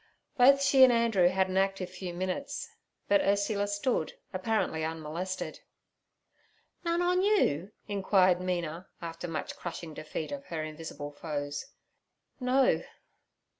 Both she and Andrew had an active few minutes, but Ursula stood apparently unmolested. 'None on you?' inquired Mina, after much crushing defeat of her invisible foes. 'No.'